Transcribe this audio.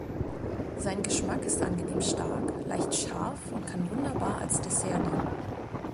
Sein Geschmack ist angenehm stark, leicht scharf und kann wunderbar als Dessert dienen.